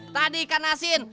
tadi ikan asin